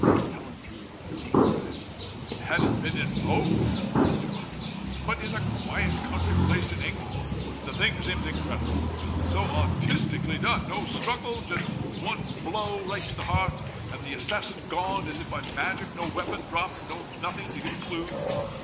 Helen drew a deep breath. "Had it been in Rome, now," George went on. "But in a quiet country place in England! The thing seems incredible! So artistically done! no struggle! just one blow right to the heart, and the assassin gone as if by magic! no weapon dropped! nothing to give a clue!